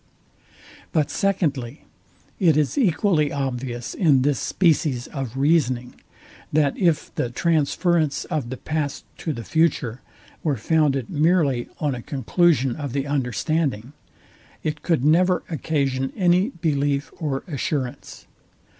But, secondly, it is equally obvious in this species of reasoning, that if the transference of the past to the future were founded merely on a conclusion of the understanding, it could never occasion any belief or assurance.